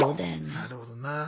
なるほどな。